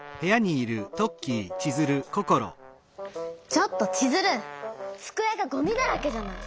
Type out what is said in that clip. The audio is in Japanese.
ちょっとチズルつくえがごみだらけじゃない。